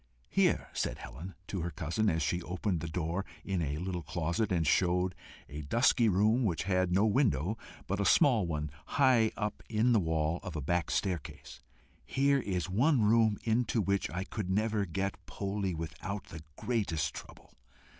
"Here," said Helen to her cousin, as she opened the door in a little closet, and showed a dusky room which had no window but a small one high up in the wall of a back staircase, "here is one room into which I never could get Poldie without the greatest trouble.